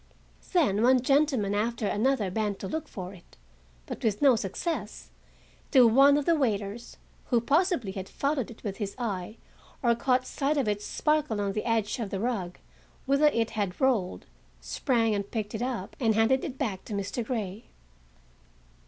Then one gentleman after another bent to look for it, but with no success, till one of the waiters, who possibly had followed it with his eye or caught sight of its sparkle on the edge of the rug, whither it had rolled, sprang and picked it up and handed it back to Mr. Grey.